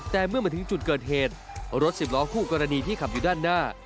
แต่เมื่อมาถึงจุดเกิดเหตุรถสิบล้อคู่กรณีที่ขับอยู่ด้านหน้า